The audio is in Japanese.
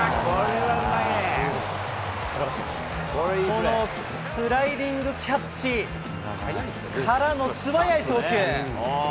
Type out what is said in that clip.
このスライディングキャッチからの素早い送球。